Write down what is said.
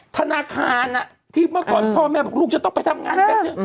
ธนาคารที่เมื่อก่อนพ่อแม่บอกลูกจะต้องไปทำงานกัน